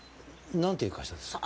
なんていう会社ですか？